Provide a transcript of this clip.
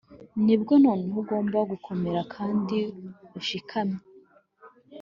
nibwo noneho ugomba gukomera kandi ushikamye